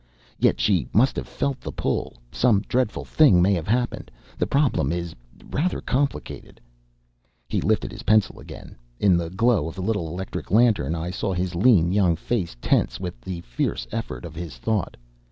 Yet she must have felt the pull. Some dreadful thing may have happened. The problem is rather complicated." He lifted his pencil again. In the glow of the little electric lantern I saw his lean young face tense with the fierce effort of his thought.